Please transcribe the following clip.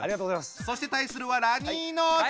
そして対するはラニーノーズ！